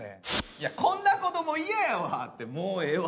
いやこんな子ども嫌やわってもうええわ。